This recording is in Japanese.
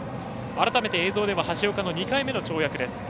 改めて映像では橋岡の２回目の跳躍。